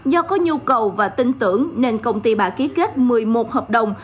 do có nhu cầu và tin tưởng nên công ty bà ký kết một mươi một hợp đồng